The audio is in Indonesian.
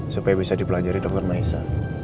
supaya bisa dipelajari dengan mahasiswa